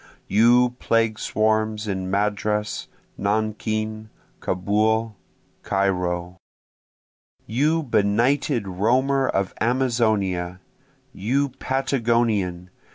You plague swarms in Madras, Nankin, Kaubul, Cairo! You benighted roamer of Amazonia! you Patagonian!